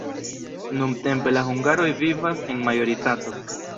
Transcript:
Nuntempe la hungaroj vivas en majoritato.